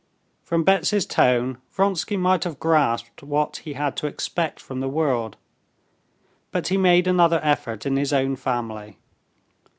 From Betsy's tone Vronsky might have grasped what he had to expect from the world; but he made another effort in his own family.